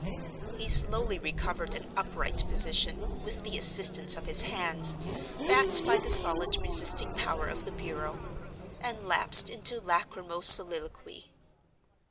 He slowly recovered an upright position, with the assistance of his hands, backed by the solid resisting power of the bureau; and lapsed into lachrymose soliloquy.